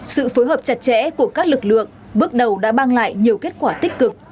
sự phối hợp chặt chẽ của các lực lượng bước đầu đã mang lại nhiều kết quả tích cực